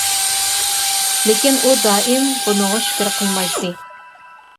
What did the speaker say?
لېكىن ئۇ دائىم، بۇنىڭغا شۈكۈر قىلمايتتى.